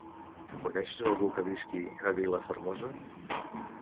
Coneixes algú que visqui a Vilafermosa?